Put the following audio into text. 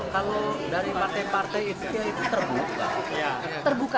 kalau dari partai partai itu terbuka